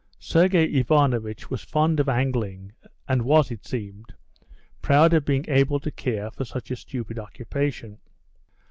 Sergey Ivanovitch was fond of angling, and was, it seemed, proud of being able to care for such a stupid occupation.